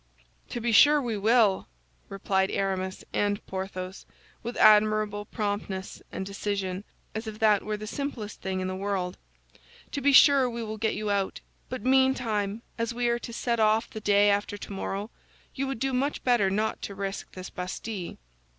"To be sure we will," replied Aramis and Porthos, with admirable promptness and decision, as if that were the simplest thing in the world, "to be sure we will get you out; but meantime, as we are to set off the day after tomorrow, you would do much better not to risk this Bastille."